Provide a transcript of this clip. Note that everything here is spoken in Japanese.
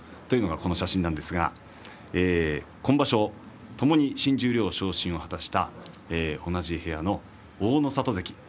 この写真なんですが今場所ともに新十両昇進を果たした同じ部屋の大の里関です。